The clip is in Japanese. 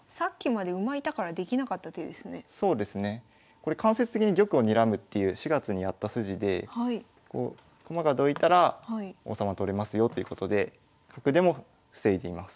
これ間接的に玉をにらむっていう４月にやった筋でこう駒がどいたら王様取れますよということで角出も防いでいます。